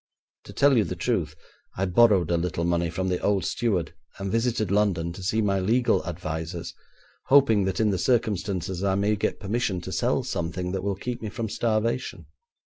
To tell you the truth, I borrowed a little money from the old steward, and visited London to see my legal advisers, hoping that in the circumstances I may get permission to sell something that will keep me from starvation.